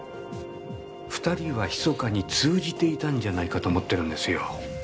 ２人はひそかに通じていたんじゃないかと思ってるんですよ。